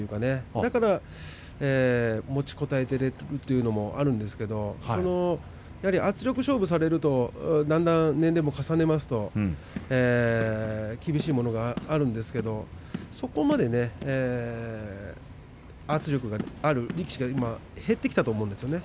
だから持ちこたえることができているんですけど圧力勝負をされるとだんだん年齢も重ねますと厳しいものがあるんですけれどそこまで圧力のある力士が今減ってきたと思うんですよね。